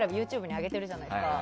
ＹｏｕＴｕｂｅに上げてるじゃないですか。